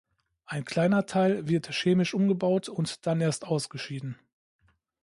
Ein kleiner Teil wird chemisch umgebaut und dann erst ausgeschieden.